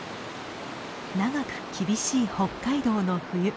長く厳しい北海道の冬。